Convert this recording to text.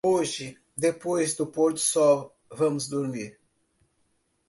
hoje, depois do pôr-do-sol, vamos dormir.